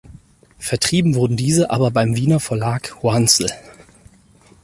Vertrieben wurden diese aber beim Wiener Verlag Hoanzl.